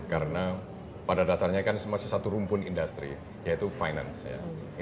karena pada dasarnya kan masih satu rumpun industri yaitu finance ya